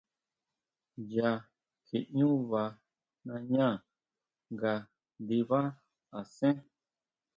Nya kjiʼñú vaa nañá nga ndibá asén.